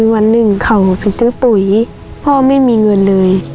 วันหนึ่งเขาไปซื้อปุ๋ยพ่อไม่มีเงินเลย